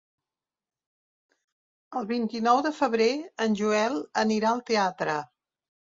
El vint-i-nou de febrer en Joel anirà al teatre.